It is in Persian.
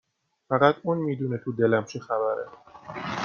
فقط اون میدونه تو دلم چه خبره